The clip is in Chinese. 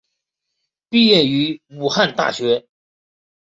毕业于武汉大学。